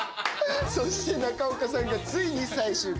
そして中岡さんが、ついに最終回。